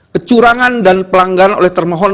kecurangan dan pelanggaran oleh termohon